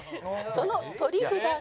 その取り札が。